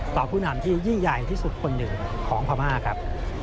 ผู้นำที่ยิ่งใหญ่ที่สุดคนหนึ่งของพม่าครับ